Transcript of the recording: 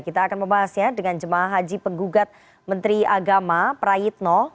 kita akan membahasnya dengan jemaah haji penggugat menteri agama prayitno